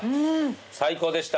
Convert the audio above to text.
最高でした。